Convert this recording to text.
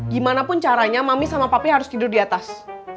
gimanapun caranya mami sama papi harus tidur di atas